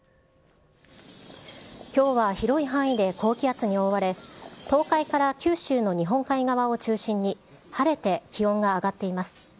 きょうは広い範囲で高気圧に覆われ、東海から九州の日本海側を中心に晴れて気温が上がっています。